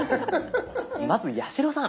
まず八代さん。